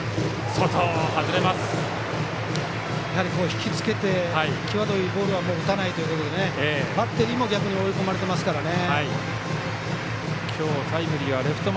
ひきつけて、際どいボールは打たないということでバッテリーも逆に追い込まれていますからね。